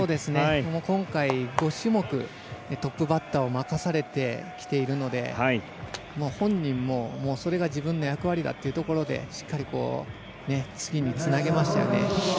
今回、５種目トップバッターを任されてきているので本人もそれが自分の役割だっていうところでしっかり、次につなげましたよね。